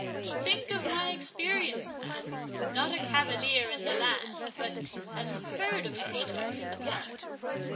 Think of my experience, man. Not a cavalier in the land but has heard of Rochecliffe, the Plotter.